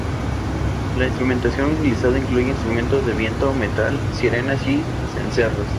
La instrumentación utilizada incluye instrumentos de viento-metal, sirenas y cencerros.